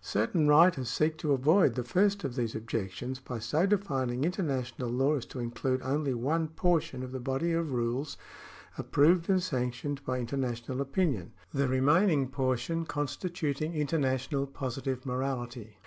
Certain writers seek to avoid the first of these objections by so defining international law as to include only one portion of the body of rules approved and sanctioned by international opinion, the remaining portion constituting international positive morality.